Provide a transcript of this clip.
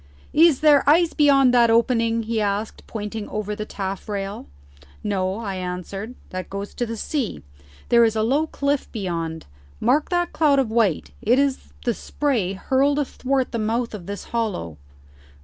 "Is there ice beyond that opening?" he asked, pointing over the taffrail. "No," I answered; "that goes to the sea. There is a low cliff beyond. Mark that cloud of white; it is the spray hurled athwart the mouth of this hollow."